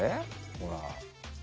ほら。